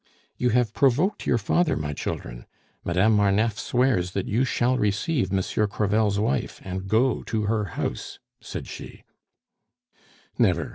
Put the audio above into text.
"You have provoked your father, my children. Madame Marneffe swears that you shall receive Monsieur Crevel's wife and go to her house," said she. "Never!"